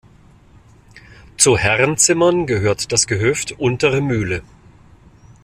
Zu Herrenzimmern gehört das Gehöft Untere Mühle.